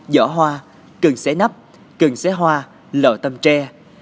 vỏ hoa cần xé nắp cần xé hoa lọ tâm tre